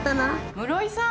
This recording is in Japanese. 室井さん！